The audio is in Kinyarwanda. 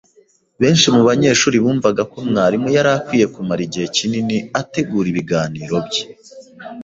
Benshi mubanyeshuri bumvaga ko mwarimu yari akwiye kumara igihe kinini ategura ibiganiro bye